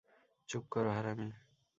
চুপ কর, হারামী!